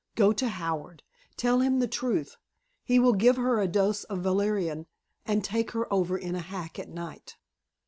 Go to Howard. Tell him the truth. He will give her a dose of valerian and take her over in a hack at night."